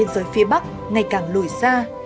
giới phía bắc ngày càng lùi xa